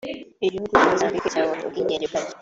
Igihugu cya Mozambique cyabonye ubwigenge bwacyo